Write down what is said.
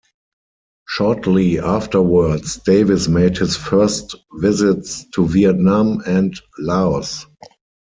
Shortly afterwards Davis made his first visits to Vietnam and Laos.